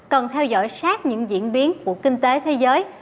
cần theo dõi sát những diễn biến của kinh tế thế giới